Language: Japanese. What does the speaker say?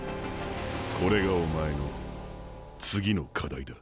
これがお前の次の課題だ。